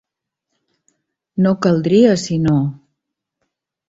No caldria sinó!